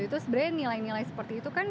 itu sebenarnya nilai nilai seperti itu kan